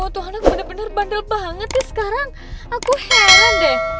tuhan aku bener bener bandel banget ya sekarang aku heran deh